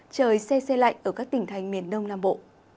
trời xe xe lạnh ở các tỉnh thành miền đông nam bộ